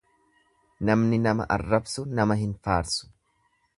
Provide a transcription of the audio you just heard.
Namni nama arrabsu nama hin faarsu.